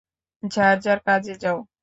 যার যার কাজে যাও।